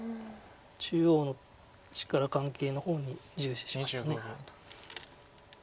中央の力関係の方に重視しました。